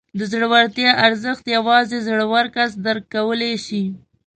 د زړورتیا ارزښت یوازې زړور کس درک کولی شي.